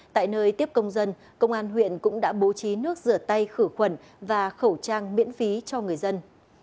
tại nơi tiếp công dân công an huyện cũng đã bố trí nước rửa tay khử khuẩn và khẩu trang miễn phí cho người dân